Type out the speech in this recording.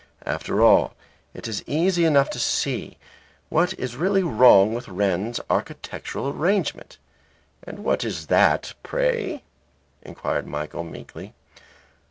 After all it is easy enough to see what is really wrong with Wren's architectural arrangement." "And what is that, pray?" inquired Michael, meekly.